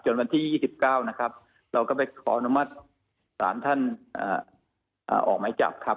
วันที่๒๙นะครับเราก็ไปขออนุมัติศาลท่านออกหมายจับครับ